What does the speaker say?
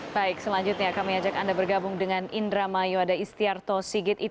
baik selanjutnya kami ajak anda bergabung dengan indra mayu ada istiarto sigit